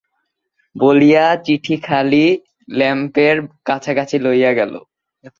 বলিয়া চিঠিখানি ল্যাম্পের কাছাকাছি লইয়া গেল।